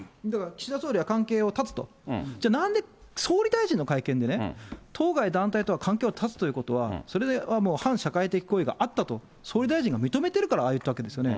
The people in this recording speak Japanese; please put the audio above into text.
岸田総理は関係を断つと、じゃあなんで、総理大臣の会見でね、当該団体とは関係を断つということは、それは反社会的行為があったと、総理大臣が認めているから、ああ言ったわけですよね。